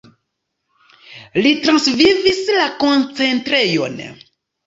Li transvivis la koncentrejon.